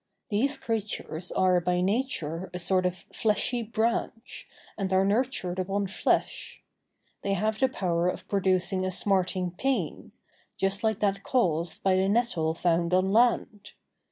These creatures are by nature a sort of fleshy branch, and are nurtured upon flesh. They have the power of producing a smarting pain, just like that caused by the nettle found on land.